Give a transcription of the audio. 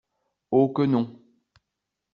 Oh que non!